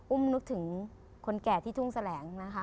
นึกถึงคนแก่ที่ทุ่งแสลงนะคะ